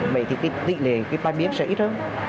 vậy thì tỷ lệ phát biến sẽ ít hơn